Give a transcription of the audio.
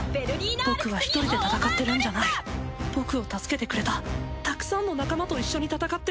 僕は１人で戦ってるんじゃない僕を助けてくれたたくさんの仲間と一緒に戦ってるんだ！